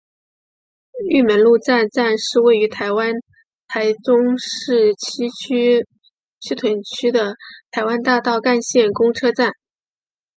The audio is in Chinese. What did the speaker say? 玉门路站站是位于台湾台中市西屯区的台湾大道干线公车站。